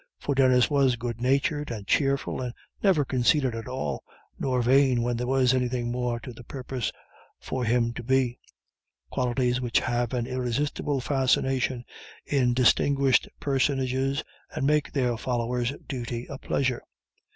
For Denis was good natured and cheerful and never conceited at all, nor vain when there was anything more to the purpose for him to be; qualities which have an irresistible fascination in distinguished personages and make their followers' duty a pleasure.